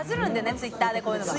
ツイッターでこういうのが」